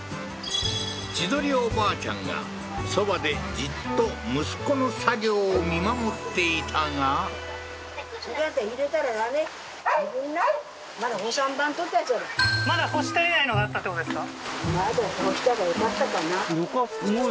千鳥おばあちゃんがそばでじっと息子の作業を見守っていたがまだ干し足りないのがあったってことですか？